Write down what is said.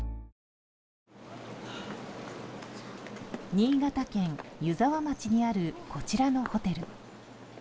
新潟県湯沢町にあるこちらのホテル。